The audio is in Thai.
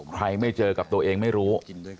ไม่เจอกับตัวเองไม่รู้